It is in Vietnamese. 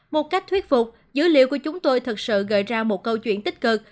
một cách thuyết phục dữ liệu của chúng tôi thật sự gợi ra một câu chuyện tích cực